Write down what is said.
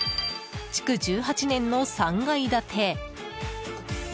築１８年の３階建て。